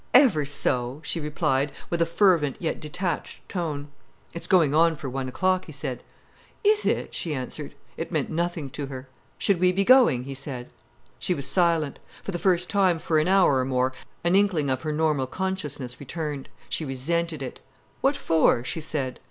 "Ever so," she replied, with a fervent, yet detached tone. "It's going on for one o'clock," he said. "Is it?" she answered. It meant nothing to her. "Should we be going?" he said. She was silent. For the first time for an hour or more an inkling of her normal consciousness returned. She resented it. "What for?" she said.